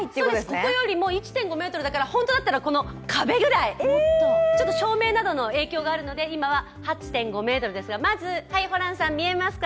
ここよりも１．５ｍだから、本当だったら壁ぐらいちょっと照明などの影響があるので、今は８．５ｍですが、まずホランさん、見えますか？